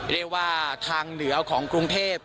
เรียกว่าทางเหนือของกรุงเทพ